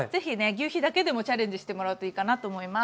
ぎゅうひだけでもチャレンジしてもらうといいかなと思います。